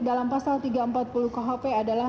dalam pasal tiga ratus empat puluh khp adalah